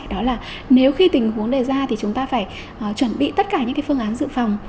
đó là nếu khi tình huống đề ra thì chúng ta phải chuẩn bị tất cả những phương án dự phòng